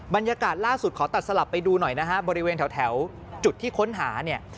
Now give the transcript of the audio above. บรรยากาศล่าสุดขอตัดสลับไปดูหน่อยนะฮะบริเวณแถวจุดที่ค้นหาเนี่ย